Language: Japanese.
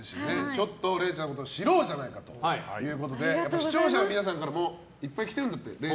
ちょっと、れいちゃんのことを知ろうじゃないかということで視聴者の皆さんからもいっぱい来てるんだって。